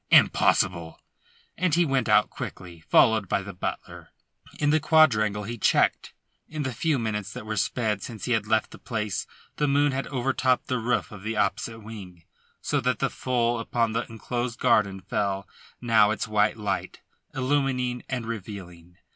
Impossible!" and he went out quickly, followed by the butler. In the quadrangle he checked. In the few minutes that were sped since he had left the place the moon had overtopped the roof of the opposite wing, so that full upon the enclosed garden fell now its white light, illumining and revealing.